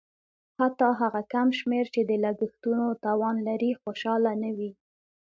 حتی هغه کم شمېر چې د لګښتونو توان لري خوشاله نه وي.